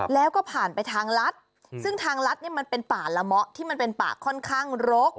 แล้วก็ผ่านไปทางรัฐซึ่งทางรัฐเนี่ยมันเป็นป่าละเมาะที่มันเป็นป่าค่อนข้างรก